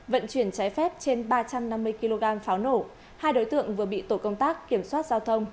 vận chuyển trái phép trên ba trăm năm mươi kg pháo nổ hai đối tượng vừa bị tổ công tác kiểm soát giao thông